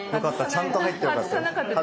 ちゃんと入ってよかったです。